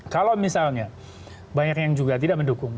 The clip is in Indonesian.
kalau misalnya banyak yang juga tidak mendukung